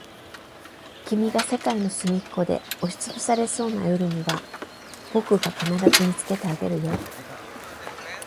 君が世界のすみっこで押しつぶされそうな夜には、僕が必ず見つけてあげるよ。